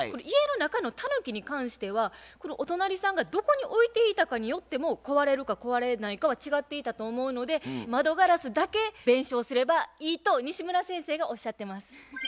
家の中のたぬきに関してはお隣さんがどこに置いていたかによっても壊れるか壊れないかは違っていたと思うので窓ガラスだけ弁償すればいいと西村先生がおっしゃってます。